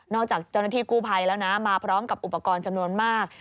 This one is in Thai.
จากเจ้าหน้าที่กู้ภัยแล้วนะมาพร้อมกับอุปกรณ์จำนวนมาก